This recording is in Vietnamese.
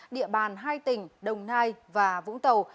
địa bàn hai tỉnh đồng nai và vũng tàu